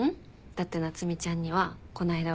だって夏海ちゃんにはこないだ